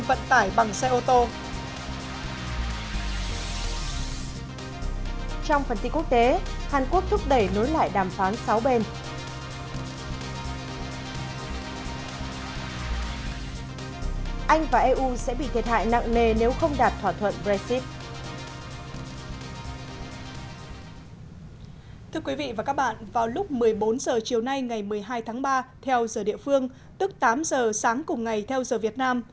vào lúc một mươi bốn h chiều nay ngày một mươi hai tháng ba theo giờ địa phương tức tám h sáng cùng ngày theo giờ việt nam